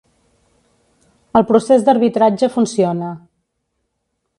El procés d'arbitratge funciona.